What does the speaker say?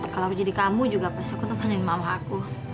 kalau jadi kamu juga pasti aku tumpangin mama aku